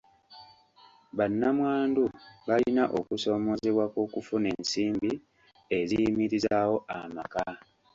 Bannamwandu balina okusoomoozebwa kw'okufuna ensimbi eziyimirizaawo amaka.